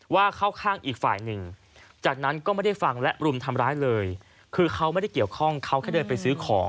ว่าเข้าข้างอีกฝ่ายหนึ่งจากนั้นก็ไม่ได้ฟังและรุมทำร้ายเลยคือเขาไม่ได้เกี่ยวข้องเขาแค่เดินไปซื้อของ